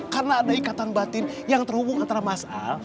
karena ada ikatan batin yang terhubung antara mas al